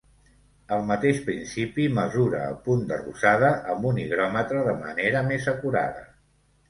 El mateix principi mesura el punt de rosada amb un higròmetre de manera més acurada.